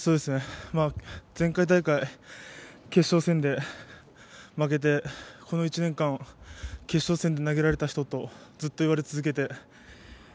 前回大会、決勝戦で負けてこの１年間決勝戦で投げられた人とずっと言われ続けて。